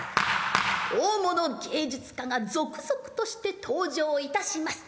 大物芸術家が続々として登場いたします。